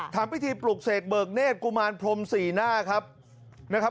ทำพิธีปลุกเสกเบิกเนศกุมารพรมศรีน่า